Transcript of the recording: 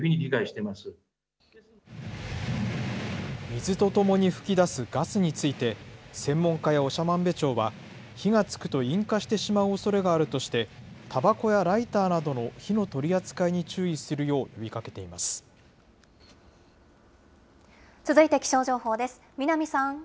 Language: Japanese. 水とともに噴き出すガスについて、専門家や長万部町は、火がつくと引火してしまうおそれがあるとして、たばこやライターなどの火の取り扱いに注意するよう呼びかけてい続いて気象情報です。